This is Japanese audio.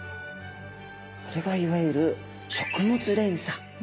これがいわゆる食物連鎖。